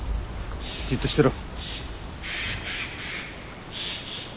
じっとしてろ。